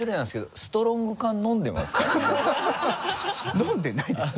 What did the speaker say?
飲んでないですね。